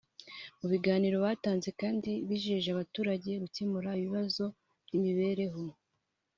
Mu biganiro batanze kandi bijeje abaturage gukemura ibibazo by’imibereho